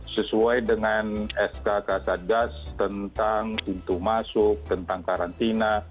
sesuai dengan sk kasadas tentang pintu masuk tentang karantina